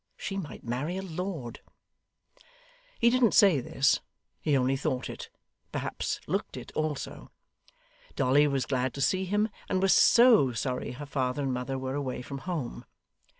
She might marry a Lord!' He didn't say this. He only thought it perhaps looked it also. Dolly was glad to see him, and was SO sorry her father and mother were away from home.